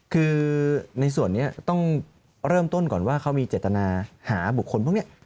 คือในส่วนนี้ต้องเริ่มต้นก่อนว่าเขามีเจตนาหาบุคคลพวกนี้